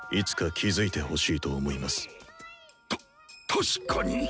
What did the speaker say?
確かに！